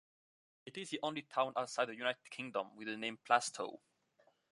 It is the only town outside the United Kingdom with the name Plaistow.